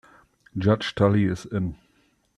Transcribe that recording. Judge Tully is in.